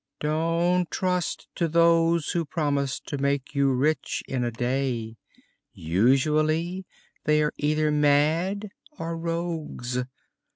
"Don't trust to those who promise to make you rich in a day. Usually they are either mad or rogues!